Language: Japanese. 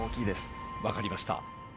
分かりました。